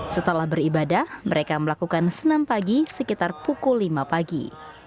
setelah beribadah mereka melakukan senam pagi sekitar pukul lima pagi